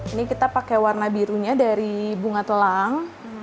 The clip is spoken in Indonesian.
ini kita pakai warna birunya dari bunga telang